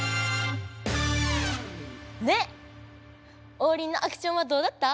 オウリンのアクションはどうだった？